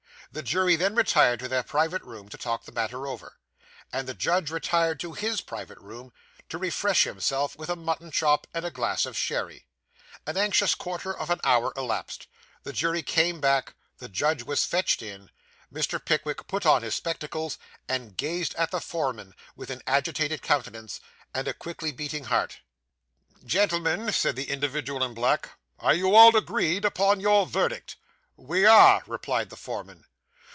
The jury then retired to their private room to talk the matter over, and the judge retired to _his _private room, to refresh himself with a mutton chop and a glass of sherry. An anxious quarter of a hour elapsed; the jury came back; the judge was fetched in. Mr. Pickwick put on his spectacles, and gazed at the foreman with an agitated countenance and a quickly beating heart. 'Gentlemen,' said the individual in black, 'are you all agreed upon your verdict?' 'We are,' replied the foreman.